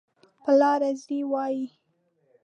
پر لار ځي وایي.